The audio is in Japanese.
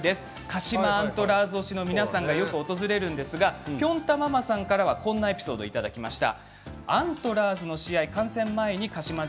鹿島アントラーズ推しの皆さんがよく訪れるんですがこんなエピソードをいただきました。